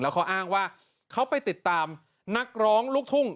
เขาอ้างว่าเขาไปติดตามนักร้องลูกทุ่ง